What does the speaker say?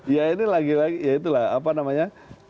ya ini lagi lagi ya itulah apa namanya